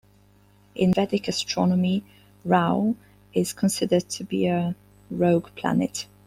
In Vedic astronomy, Rahu is considered to be a rogue planet.